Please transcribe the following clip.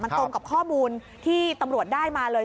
ตรงกับข้อมูลที่ตำรวจได้มาเลย